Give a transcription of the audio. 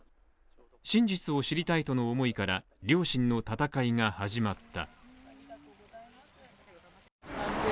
真実を知りたいとの思いから、両親の戦いが始まった。